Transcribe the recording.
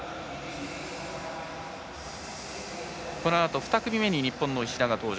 このあと２組目に日本の石田が登場。